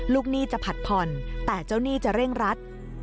หนี้จะผัดผ่อนแต่เจ้าหนี้จะเร่งรัด